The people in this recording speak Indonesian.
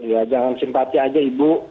ya jangan simpati aja ibu